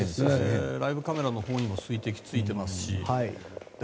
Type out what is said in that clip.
ライブカメラのほうにも水滴がついていますし。